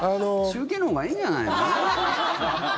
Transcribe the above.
中継のほうがいいんじゃないの？